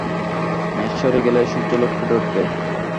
মেঘ সরে গেলেই সূর্যালোক ফুটে উঠবে।